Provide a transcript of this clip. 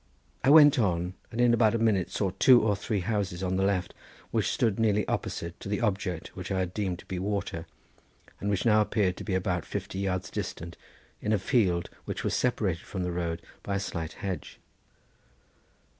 I went on, and in about a minute saw two or three houses on the left, which stood nearly opposite to the object which I had deemed to be water, and which now appeared to be about fifty yards distant in a field which was separated from the road by a slight hedge.